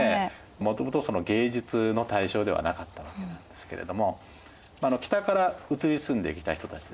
もともと芸術の対象ではなかったわけなんですけれども北から移り住んできた人たちですね